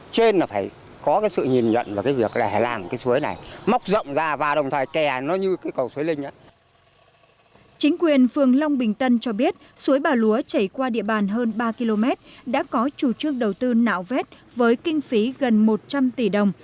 chính quyền phường long bình tân cho biết suối bà lúa chảy qua địa bàn hơn ba km đã có chủ trương đầu tư nạo vét với kinh phí gần một trăm linh tỷ đồng